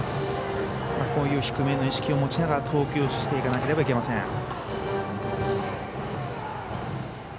こういう低めの意識を持ちながら投球をしていかなければなりません。